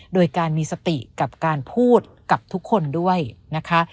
โดยการมีสติกับการพูดกับทุกคนด้วยนะคะ